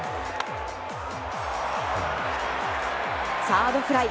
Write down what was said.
サードフライ。